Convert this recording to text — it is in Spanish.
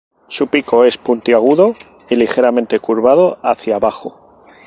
Su pico es puntiagudo y ligeramente curvado hacia abajo.